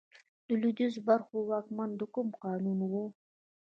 د لوېدیځو برخو واکمنان د کوم قامونه وو؟